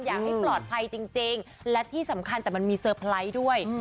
อยากให้ปลอดภัยจริงและที่สำคัญแต่มันมีเซอร์ไพรส์ด้วย